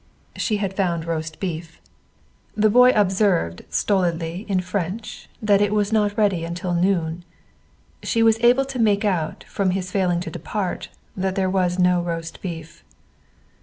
She had found roast beef. The boy observed stolidly, in French, that it was not ready until noon. She was able to make out, from his failing to depart, that there was no roast beef.